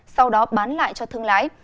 sau đó bán lại cho thương lái